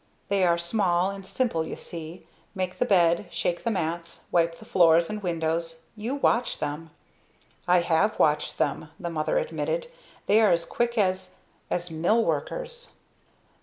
They are small and simple you see. Make the bed, shake the mats, wipe the floors and windows, you watch them!" "I have watched them," the mother admitted. "They are as quick as as mill workers!"